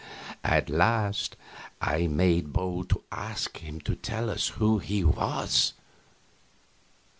At last I made bold to ask him to tell us who he was.